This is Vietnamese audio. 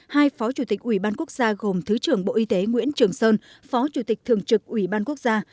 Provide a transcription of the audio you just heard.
hai phó chủ tịch ủy ban quốc gia gồm thứ trưởng bộ y tế nguyễn trường sơn phó chủ tịch thường trực ủy ban quốc gia